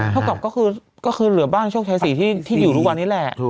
เท่ากับก็คือเหลือบ้านโชคชัยศรีที่อยู่ทุกวันนี้แหละ